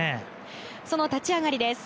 その立ち上がりです。